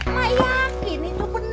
mak yakin itu bener